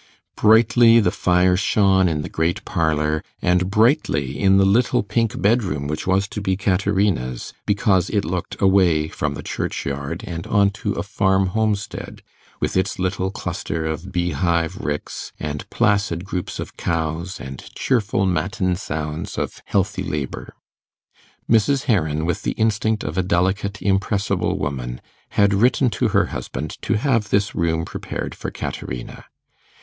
Brightly the fire shone in the great parlour, and brightly in the little pink bedroom, which was to be Caterina's, because it looked away from the churchyard, and on to a farm homestead, with its little cluster of beehive ricks, and placid groups of cows, and cheerful matin sounds of healthy labour. Mrs. Heron, with the instinct of a delicate, impressible woman, had written to her husband to have this room prepared for Caterina.